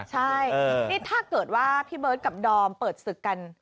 ใช่นี่ถ้าเกิดว่าพี่เบิร์ตกับดอมเปิดศึกกัน